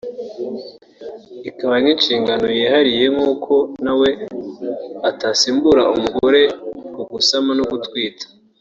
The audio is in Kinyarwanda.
ikaba nk’inshingano yihariye nk’uko na we atasimbura umugore ku gusama no gutwita